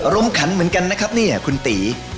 มขันเหมือนกันนะครับเนี่ยคุณตี